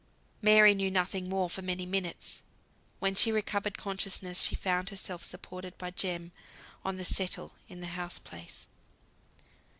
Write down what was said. Mary knew nothing more for many minutes. When she recovered consciousness, she found herself supported by Jem on the "settle" in the house place.